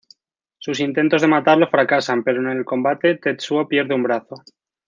Sus intentos de matarlo fracasan, pero en el combate, Tetsuo pierde un brazo.